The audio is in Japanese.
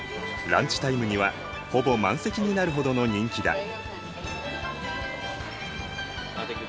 ランチタイムにはほぼ満席になるほどの人気だ。